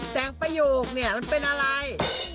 แตกประหยูปนี่มันเป็นอะไร